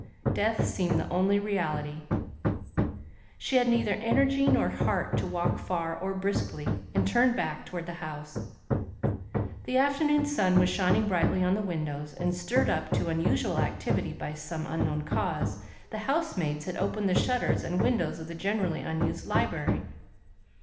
Death seemed the only reality. She had neither energy nor heart to walk far or briskly; and turned back towards the house. The afternoon sun was shining brightly on the windows; and, stirred up to unusual activity by some unknown cause, the housemaids had opened the shutters and windows of the generally unused library.